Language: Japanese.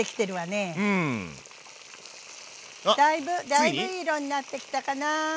だいぶいい色になってきたかな。